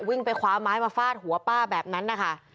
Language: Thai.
วิ่งไปคว้าไม้มาฟาดหัวป้าแบบนั้นนะคะ